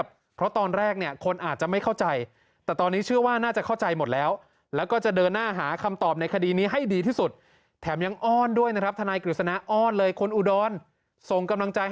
บอกว่าเป็นคนบ้านเดียวกันนะฮะ